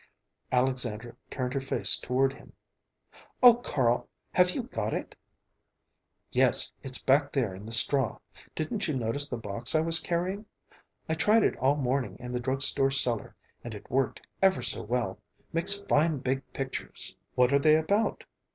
Alexandra turned her face toward him. "Oh, Carl! Have you got it?" "Yes. It's back there in the straw. Didn't you notice the box I was carrying? I tried it all morning in the drug store cellar, and it worked ever so well, makes fine big pictures." "What are they about?"